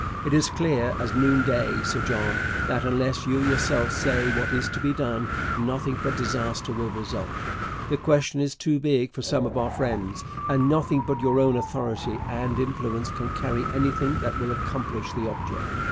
It is clear as noon day, Sir John, that unless you yourself say what is to be done, nothing but disaster will result. The question is too big for some of our friends, and nothing but your own authority and influence can carry anything that will accomplish the object....